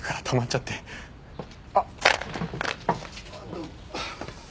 どうも。